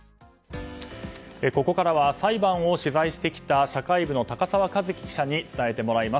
ここからは裁判を取材してきた社会部の高沢一輝記者に伝えてもらいます。